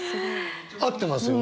合ってますよね？